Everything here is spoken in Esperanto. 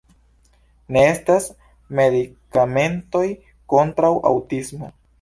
Ne estas medikamentoj kontraŭ aŭtismo.